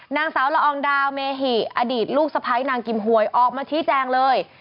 นางสาวละอองดาวเมหิอดีตลูกสะพ้ายนางกิมหวยออกมาชี้แจงเลย